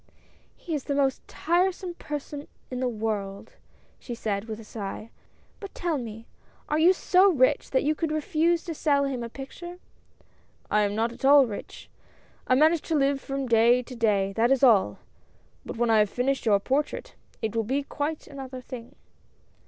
" He is the most tiresome person in the world," she said, with a sigh. " But tell me, are you so rich that you could refuse to sell him a picture ?" "I am not at all rich — I manage to live from day to day, that is all! But when I have finished your portrait, it will be quite another thing."